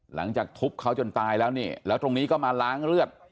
หลังจากทุบเขาจนตายแล้วนี่แล้วตรงนี้ก็มาล้างเลือด